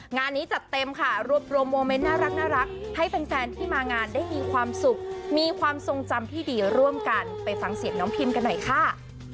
งานนี้จัดเต็มค่ะรวบรวมโมเมนต์น่ารักให้แฟนที่มางานได้มีความสุขมีความทรงจำที่ดีร่วมกันไปฟังเสียงน้องพิมกันหน่อยค่ะ